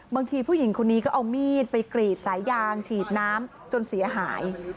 ผู้หญิงคนนี้ก็เอามีดไปกรีดสายยางฉีดน้ำจนเสียหาย